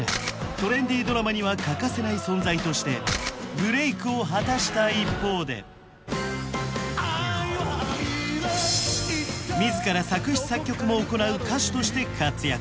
トレンディードラマには欠かせない存在としてブレイクを果たした一方で愛は愛でいつか自ら作詞作曲も行う歌手として活躍